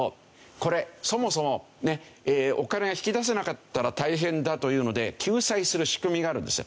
これそもそもお金を引き出せなかったら大変だというので救済する仕組みがあるんですよ。